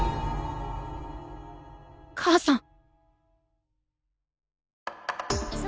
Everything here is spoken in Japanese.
母さん。